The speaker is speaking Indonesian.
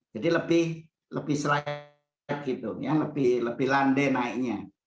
jadi lebih selat lebih landai naiknya